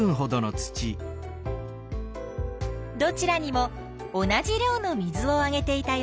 どちらにも同じ量の水をあげていたよ。